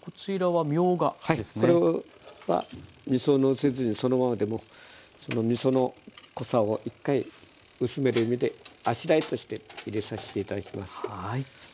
これはみそのせずにそのままでもみその濃さを一回薄めてみて「あしらい」として入れさせて頂きます。